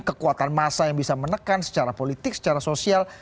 kekuatan massa yang bisa menekan secara politik secara sosial